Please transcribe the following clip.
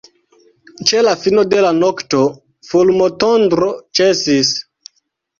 Ĉe la fino de la nokto fulmotondro ĉesis.